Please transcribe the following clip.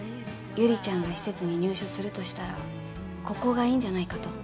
悠里ちゃんが施設に入所するとしたらここがいいんじゃないかと。